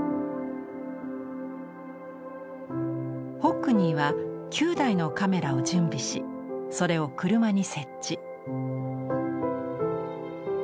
ホックニーは９台のカメラを準備しそれを車に設置。